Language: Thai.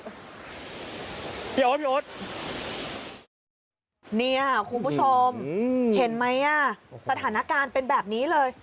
พี่อดพี่อดเนี่ยคุณผู้ชมเห็นไหมสถานการณ์เป็นแบบนี้เลย